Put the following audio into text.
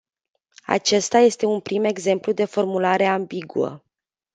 Acesta este un prim exemplu de formulare ambiguă.